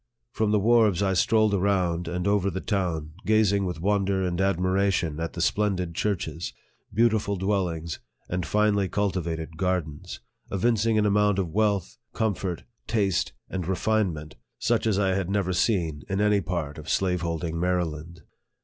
From the wharves I strolled around and over the town, gazing with won der and admiration at the splendid churches, beautiful dwellings, and finely cultivated gardens; evincing an amount of wealth, comfort, taste, and refinement, such as I had never seen in any part of slaveholding Maryland.